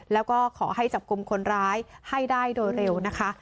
แล้วก็ขอให้จับกลุ่มคนร้ายให้ได้โดยเร็วนะคะ